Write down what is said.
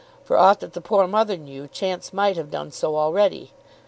For aught that the poor mother knew, Chance might have done so already.